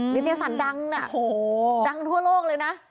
นิตยสารดังดังทั่วโลกเลยนะ